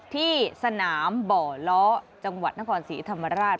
ที่สนามบ่อล้อจังหวัดนครศรีธรรมราช